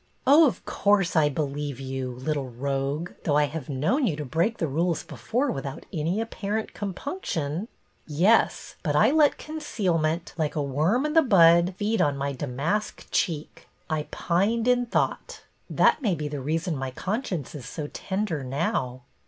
" Oh, of course I believe you, little rogue, though I liave known you to break rules before without any apparent compunction." RETURN OF THE MARINER 221 "Yes, but I let concealment, like a worm i' the bud, feed on my damask cheek ; I pined in thought. That may be the reason my conscience is so tender now."